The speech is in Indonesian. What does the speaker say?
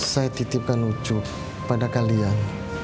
saya titipkan lucu pada kalian